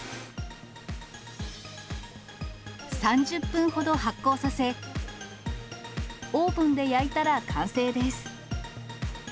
３０分ほど発酵させ、オーブンで焼いたら完成です。